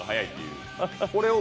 はい、